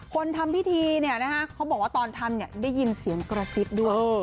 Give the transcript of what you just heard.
ทำพิธีเขาบอกว่าตอนทำได้ยินเสียงกระซิบด้วย